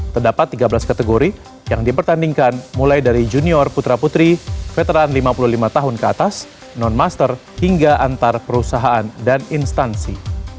terdapat tiga belas kategori yang dipertandingkan mulai dari junior putra putri veteran lima puluh lima tahun ke atas non master hingga antar perusahaan dan instansi